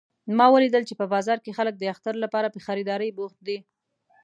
ما ولیدل چې په بازار کې خلک د اختر لپاره په خریدارۍ بوخت دي